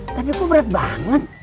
tapi kok berat banget